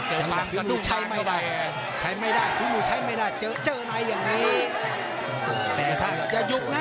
โอ้โฮโดนดังปุ๊ก